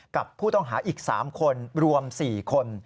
กับผู้ต้องหาอีก๓คนรวม๔คน